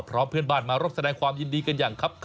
พร้อมเพื่อนบ้านมาร่วมแสดงความยินดีกันอย่างครับ